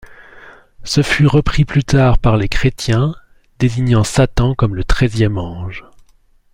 Ce fut repris plus tard par les chrétiens, désignant Satan comme le treizième ange.